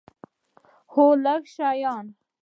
هو، لږ شیان